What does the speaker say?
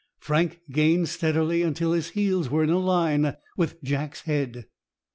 Frank gained steadily until his heels were in a line with Jack's head.